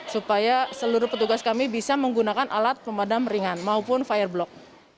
supaya seluruh petugas kami bisa menggunakan alat pemadam ringan maupun fireblock